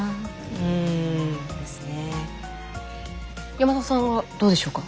山里さんはどうでしょうか？